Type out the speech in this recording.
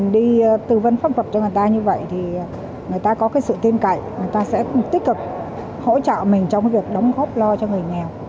có cái sự tin cậy người ta sẽ tích cực hỗ trợ mình trong việc đóng góp lo cho người nghèo